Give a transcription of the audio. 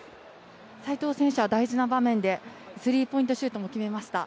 齋藤選手は大事な場面でスリーポイントシュートも決めました。